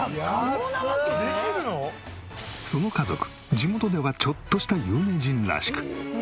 地元ではちょっとした有名人らしく。